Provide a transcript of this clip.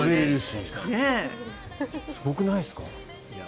すごくないですか。